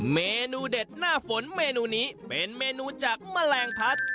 เมนูเด็ดหน้าฝนเมนูนี้เป็นเมนูจากแมลงพัด